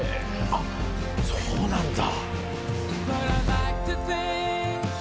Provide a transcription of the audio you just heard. あっそうなんだ。